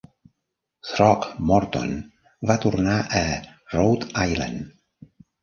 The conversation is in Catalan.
Throckmorton va tornar a Rhode Island.